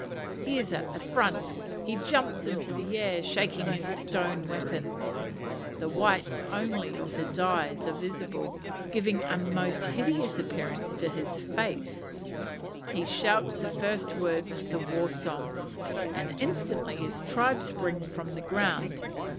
He is at the front; he jumps into the air, shaking his stone weapon; the whites only of his eyes are visible, giving a most hideous appearance to his face; he shouts the first words of the war song, and instantly his tribe spring from the ground.